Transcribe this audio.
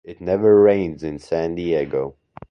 It never rains in San Diego.